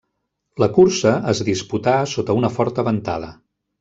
La cursa es disputà sota una forta ventada.